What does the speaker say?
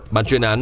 bản chuyên án